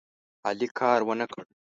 علي کار ونه کړ.